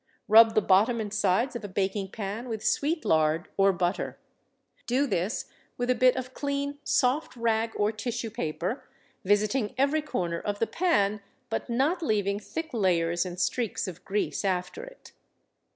Rub the bottom and sides of a baking pan with sweet lard or butter. Do this with a bit of clean soft rag or tissue paper, visiting every corner of the pan, but not leaving thick layers and streaks of grease after it.